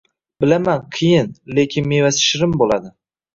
Bilaman qiyin lekin mevasi shirin boʻladi